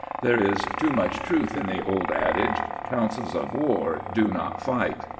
There is too much truth in the old adage, ' Councils of war do not fight.'